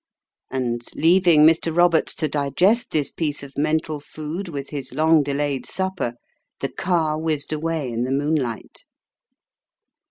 And, leaving Mr. Roberts to digest this piece of mental food with his long delayed supper, the car whizzed away in the moonlight.